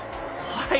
はい！